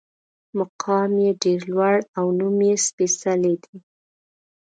مقام یې ډېر لوړ او نوم یې سپېڅلی دی.